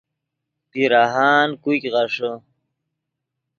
پیراہان کوګ غیݰے